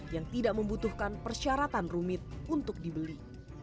yang tidak membutuhkan persyaratan rumit untuk dibeli